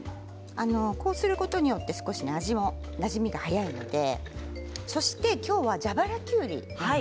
こうすることによって少し味のなじみが早いのできょうは蛇腹きゅうりを作ります。